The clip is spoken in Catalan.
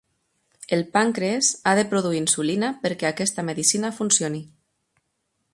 El pàncrees ha de produir insulina perquè aquesta medicina funcioni.